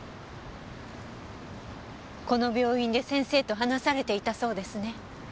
この病院で先生と話されていたそうですね。